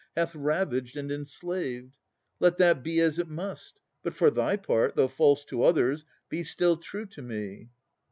hath ravaged and enslaved. Let that be as it must. But for thy part, Though false to others, be still true to me.